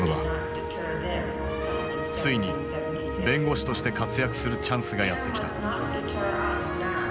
ついに弁護士として活躍するチャンスがやって来た。